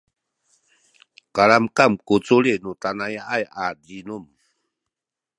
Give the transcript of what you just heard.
kalamkam ku culil nu tanaya’ay a zinum